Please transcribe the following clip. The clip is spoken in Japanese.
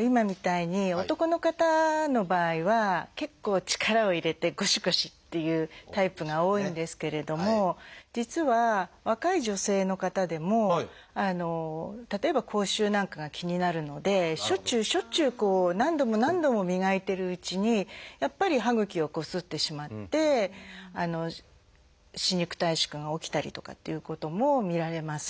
今みたいに男の方の場合は結構力を入れてゴシゴシっていうタイプが多いんですけれども実は若い女性の方でも例えば口臭なんかが気になるのでしょっちゅうしょっちゅう何度も何度も磨いてるうちにやっぱり歯ぐきをこすってしまって歯肉退縮が起きたりとかっていうことも見られます。